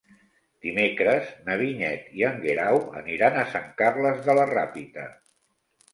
Dimecres na Vinyet i en Guerau aniran a Sant Carles de la Ràpita.